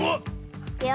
いくよ。